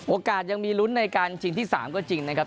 ยังมีลุ้นในการชิงที่๓ก็จริงนะครับ